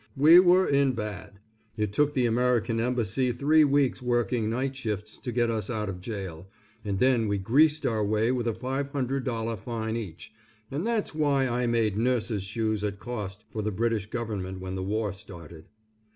We were in bad. It took the American Embassy three weeks working night shifts to get us out of jail, and then we greased our way with a five hundred dollar fine each, and that's why I made nurses' shoes at cost for the British Government when the war started.